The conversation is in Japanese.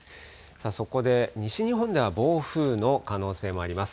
そこで西日本では暴風の可能性もあります。